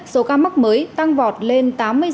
số ca mắc mới tăng vọt lên